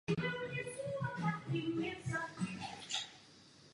Nyní slouží ves především k rekreaci.